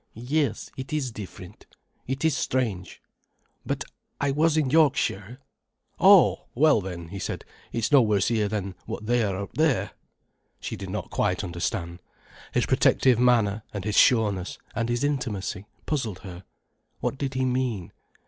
Yes, it is different, it is strange. But I was in Yorkshire——" "Oh, well then," he said, "it's no worse here than what they are up there." She did not quite understand. His protective manner, and his sureness, and his intimacy, puzzled her. What did he mean?